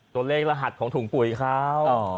ตัวเลขรหัสของปุ๋ยเขา